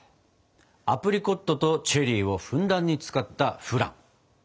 アプリコットとチェリーをふんだんに使ったフラン。